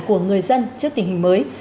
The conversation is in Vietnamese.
của người dân trước tình hình mới